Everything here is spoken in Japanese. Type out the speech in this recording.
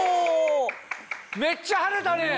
めっちゃ跳ねたね！